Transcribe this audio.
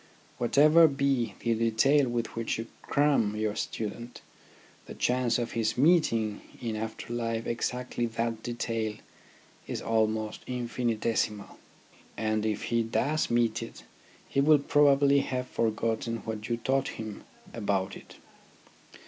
Whatever be the detail with which you cram your student, the chance of his meeting in after life exactly that detail is almost infinitesimal ; and if he does meet it, he will probably have forgotten what you taught him about it.